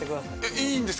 いいです。